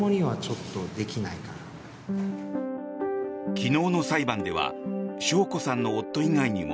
昨日の裁判では晶子さんの夫以外にも